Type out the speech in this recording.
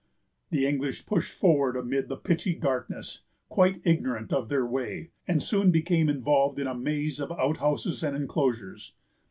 The English pushed forward amid the pitchy darkness, quite ignorant of their way, and soon became involved in a maze of outhouses and enclosures.